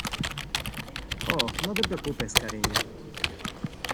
Oh, no te preocupes , cariño.